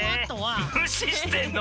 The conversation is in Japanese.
むししてんの。